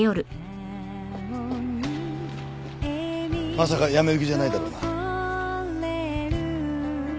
まさか辞める気じゃないだろうな？